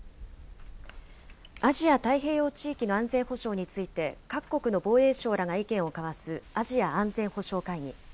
アジア太平洋地域の安全保障について、各国の防衛相らが意見を交わすアジア安全保障会議。